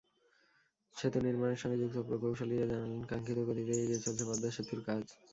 সেতু নির্মাণের সঙ্গে যুক্ত প্রকৌশলীরা জানালেন, কাঙ্ক্ষিত গতিতেই এগিয়ে চলছে পদ্মা সেতুর কাজ।